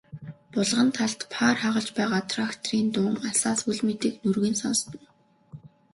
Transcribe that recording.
Булган талд паар хагалж байгаа тракторын дуун алсаас үл мэдэг нүргэн сонстоно.